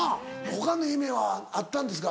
他の夢はあったんですか？